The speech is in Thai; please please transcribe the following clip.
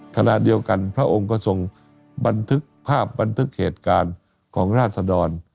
ขณะเดียวกันพระองค์ก็ทรงบันทึกภาพบันทึกเหตุการณ์ของราศดร